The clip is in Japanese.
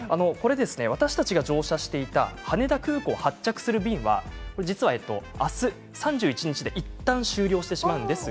私たちが乗車していた羽田空港を発着する便は明日３１日でいったん終了してしまうんです。